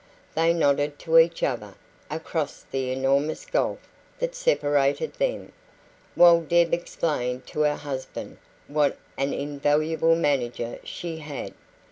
They nodded to each other, across the enormous gulf that separated them, while Deb explained to her husband what an invaluable manager she had.